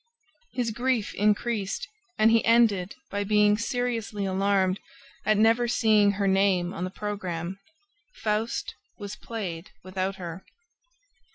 His grief increased and he ended by being seriously alarmed at never seeing her name on the program. FAUST was played without her.